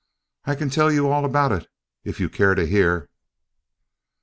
I can tell you all about it, if you care to hear."